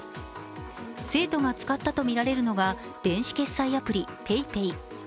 生徒が使ったとみられるのが電子決済アプリ・ＰａｙＰａｙ。